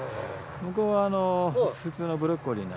向こう側の普通のブロッコリー。